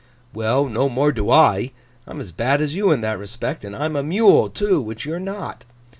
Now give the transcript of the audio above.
'Well, no more do I. I am as bad as you in that respect; and I am a Mule too, which you're not.